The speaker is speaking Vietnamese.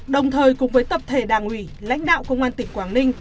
đồng thời cùng với tập thể đảng ủy lãnh đạo công an tỉnh quảng ninh